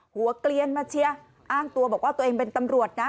เกลียนมาเชียร์อ้างตัวบอกว่าตัวเองเป็นตำรวจนะ